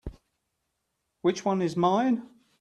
Which one is mine?